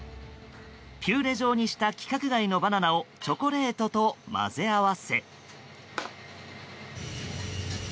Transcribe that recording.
ピューレ状にした規格外のバナナをチョコレートと混ぜ合わせ。